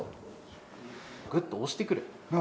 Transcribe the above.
ぐっと押してくる。